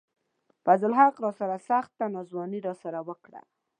فضل الحق راسره سخته ناځواني راسره وڪړه